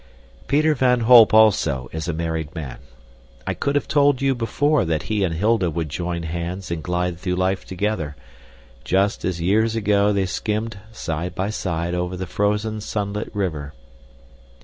Peter van Holp, also, is a married man. I could have told you before that he and Hilda would join hands and glide through life together, just as years ago they skimmed side by side over the frozen sunlit river.